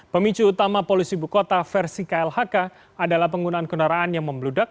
pemicu utama polisi ibu kota versi klhk adalah penggunaan kendaraan yang memludak